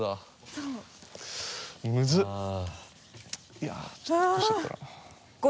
いやっちょっと落としちゃったあっ！